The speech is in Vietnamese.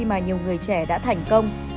mà nhiều người trẻ đã thành công